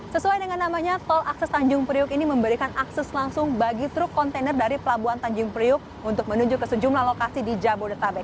sesuai dengan namanya tol akses tanjung priuk ini memberikan akses langsung bagi truk kontainer dari pelabuhan tanjung priuk untuk menuju ke sejumlah lokasi di jabodetabek